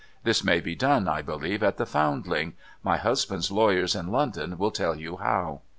This may be done, I believe, at the Foundling : my husband's lawyers in London will tell you how.